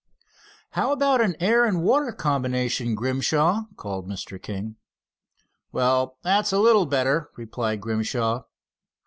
"How about an air and water combination, Grimshaw?" called Mr. King. "Well, that is a little better," replied Grimshaw.